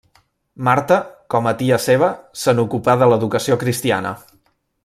Marta, com a tia seva, se n'ocupà de l'educació cristiana.